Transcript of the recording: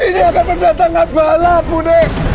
ini akan mendatangkan balap bu ne